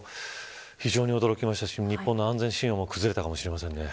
非常に驚きましたし日本の安全神話も崩れたかもしれません。